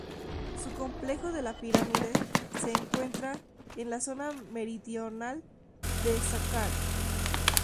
Su "Complejo de la pirámide" se encuentra en la zona meridional de Saqqara.